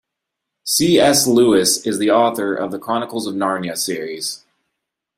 C.S. Lewis is the author of The Chronicles of Narnia series.